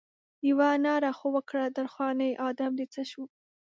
یوه ناره خو وکړه درخانۍ ادم دې څه شو؟